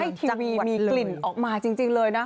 อยากให้ทีวีมีกลิ่นออกมาจริงเลยนะ